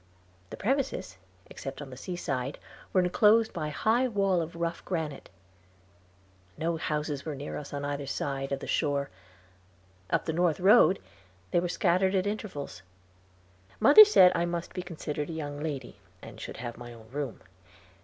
The premises, except on the seaside, were enclosed by a high wall of rough granite. No houses were near us, on either side of the shore; up the north road they were scattered at intervals. Mother said I must be considered a young lady, and should have my own room.